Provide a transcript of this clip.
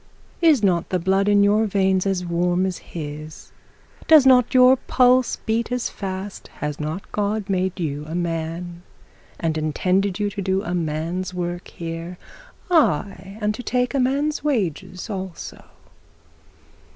'It not the blood in your veins as warm as his? does not your pulse beat as fast? Has not God made you a man, and intended you to do a man's work here, ay, and to take a man's wages also?'